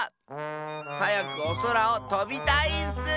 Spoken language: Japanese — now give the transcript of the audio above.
はやくおそらをとびたいッス！